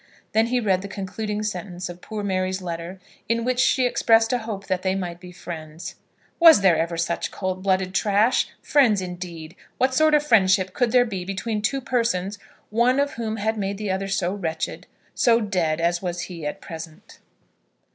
Then he read the concluding sentence of poor Mary's letter, in which she expressed a hope that they might be friends. Was there ever such cold blooded trash? Friends indeed! What sort of friendship could there be between two persons, one of whom had made the other so wretched, so dead as was he at present!